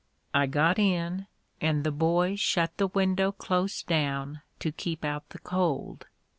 I got in, and the boy shut the window close down to keep out the cold.